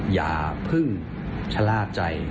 อย่าเพิ่งชะล่าใจ